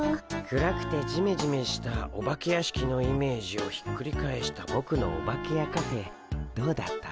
暗くてジメジメしたお化け屋敷のイメージをひっくり返したボクのオバケやカフェどうだった？